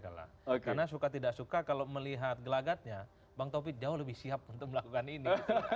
karena suka tidak suka kalau melihat gelagatnya bang taufik jauh lebih siap untuk melakukan ini